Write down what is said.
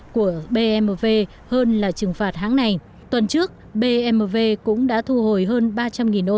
của bmw đại diện bmw tại hàn quốc cho biết tính từ đầu năm cho đến nay đã xảy ra gần ba mươi vụ cháy nổ